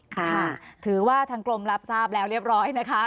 ค่ะถือว่าทางกรมรับทราบแล้วเรียบร้อยนะคะ